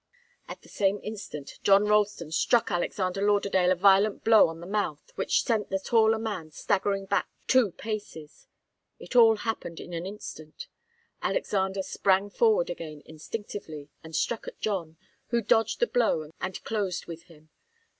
At the same instant John Ralston struck Alexander Lauderdale a violent blow on the mouth, which sent the taller man staggering back two paces. It all happened in an instant. Alexander sprang forward again instinctively, and struck at John, who dodged the blow and closed with him.